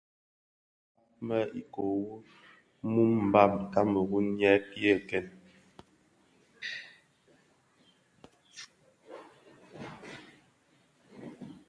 Djèm i kilōň yodhi gaň i merad më ikō wu muu mbam kameru nyi yëkèn.